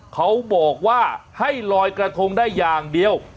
เขาบอกว่าให้ลอยกระทงได้อย่างเดียว